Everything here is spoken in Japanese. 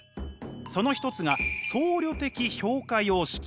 その一つが僧侶的評価様式。